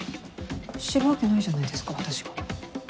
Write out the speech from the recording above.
知るわけないじゃないですか私が。